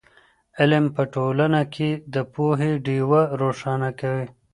علم په ټولنه کې د پوهې ډېوه روښانه کوي.